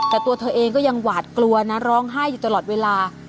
แต่ตัวเธอเองก็ยังหวาดกลัวนะร้องไห้อยู่ตลอดเวลา